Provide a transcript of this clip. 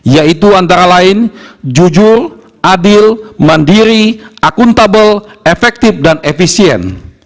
yaitu antara lain jujur adil mandiri akuntabel efektif dan efisien